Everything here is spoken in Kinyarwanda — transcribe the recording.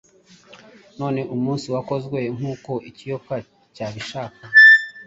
Noneho umunsi wakozwe nkuko ikiyoka cyabishaka